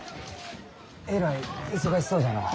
えらい忙しそうじゃのう。